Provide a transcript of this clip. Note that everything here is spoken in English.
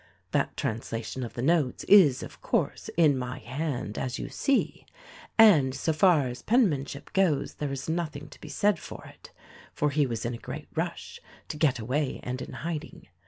"That translation of the notes, is, of course, in my hand, as you see ; and so far as penmanship goes there is nothing to be said for it — for he was in a great rush to get away and in hiding.